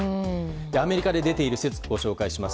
アメリカで出ている説をご紹介します。